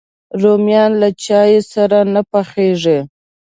رومیان له چای سره نه پخېږي